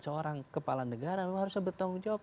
seorang kepala negara memang harus ada pertanggung jawab